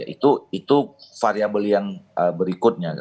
itu variabel yang berikutnya